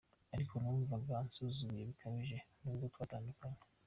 Ariko numvaga ansuzuguye bikabije n’ubwo twatandukanye.